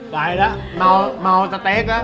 ไปละมาเอาสเต๊กละ